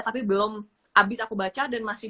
tapi belum habis aku baca dan masih